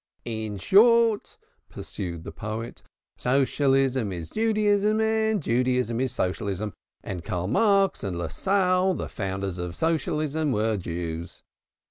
"In short," pursued the poet, "Socialism is Judaism and Judaism is Socialism, and Karl Marx and Lassalle, the founders of Socialism, were Jews.